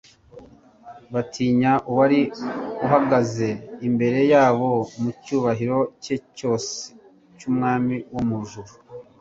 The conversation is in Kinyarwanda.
batinya uwari uhagaze imbere yabo, mu cyubahiro cye cyose cy'Umwami wo mu ijuru.